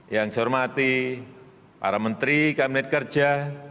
yang saya hormati para menteri kabinet kerja